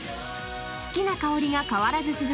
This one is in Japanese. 好きな香りが変わらず続く